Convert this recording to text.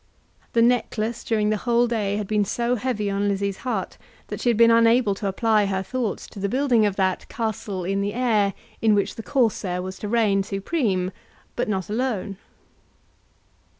The necklace during the whole day had been so heavy on Lizzie's heart, that she had been unable to apply her thoughts to the building of that castle in the air in which the Corsair was to reign supreme, but not alone.